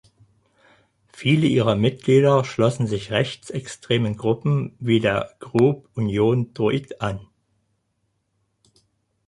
Viele ihrer Mitglieder schlossen sich rechtsextremen Gruppen wie der "Groupe Union Droit" an.